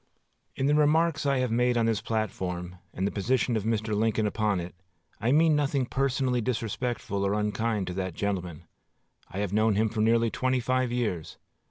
In the remarks I have made on this platform, and the position of Mr. Lincoln upon it, I mean nothing personally disrespectful or unkind to that gentleman. I have known him for nearly twenty five years.